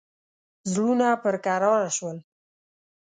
زړونه پر کراره شول.